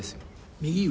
右上？